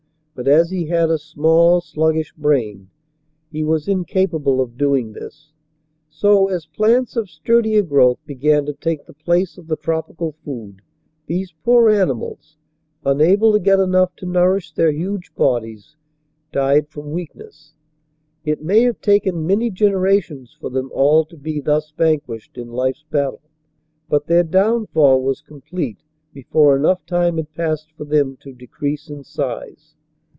But, as he had a small sluggish brain, he was incapable of doing this. So, as plants of sturdier growth began to take the place of the tropical food, these poor animals, unable to get enough to nourish their huge bodies, died from weakness. It may have taken many generations for them all to be thus vanquished in life's battle, but their downfall was complete before enough time had passed for them to decrease in size.